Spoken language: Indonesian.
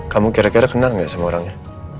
kamu kira kira kenal nggak sama orangnya